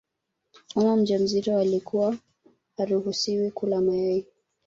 Mama mjamzito alikuwa haruhusiwi kula mayai